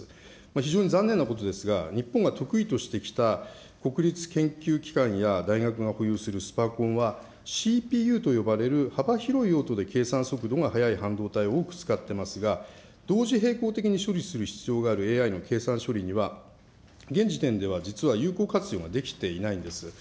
非常に残念なことですが、日本が得意としてきた国立研究機関や大学が保有するスパコンは、ＣＰＵと呼ばれる幅広い用途で計算速度が速い半導体を多く使ってますが、同時並行的に処理する必要があるＡＩの計算処理には、現時点では実は有効活用ができていないんです。